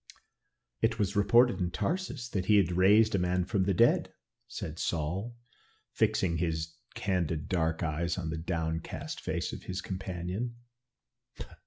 "It was reported in Tarsus that he had raised a man from the dead," said Saul, fixing his candid dark eyes on the downcast face of his companion.